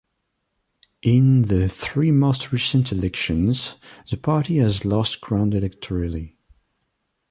In the three most recent elections, the party has lost ground electorally.